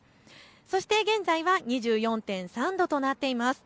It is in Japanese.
そして現在は２４．３度となっています。